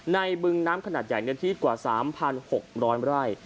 ในบึงน้ำขนาดใหญ่เนื้อที่อีกกว่าสามพันหกร้อนไร่